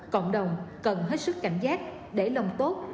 cộng đồng cần hết sức cảnh giác để lòng tốt